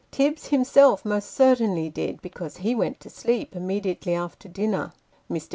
Tibbs himself most certainly did, because he went to sleep immediately after dinner. Mr.